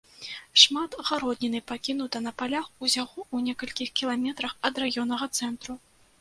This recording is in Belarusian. Шмат гародніны пакінута на палях усяго ў некалькіх кіламетрах ад раённага цэнтру.